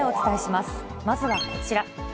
まずはこちら。